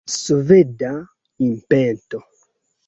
Sveda impeto!